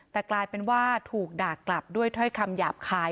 แต่กลายเป็นว่าถูกด่ากลับด้วยถ้อยคำหยาบคาย